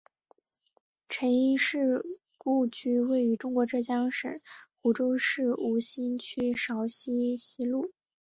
陈英士故居位于中国浙江省湖州市吴兴区苕溪西路与白地街交叉口西南。